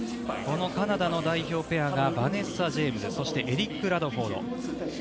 このカナダの代表ペアがバネッサ・ジェイムスそしてエリック・ラドフォード。